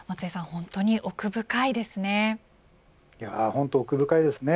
本当に奥深いですね。